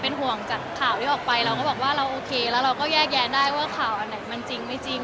เป็นห่วงข่าวออกไปแล้วเราอยากแยกแยกได้ว่าข่าวอันไหนมันจริงไม่จริง